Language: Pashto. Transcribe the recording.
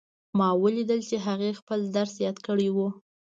ما ولیدل چې هغې خپل درس یاد کړی وو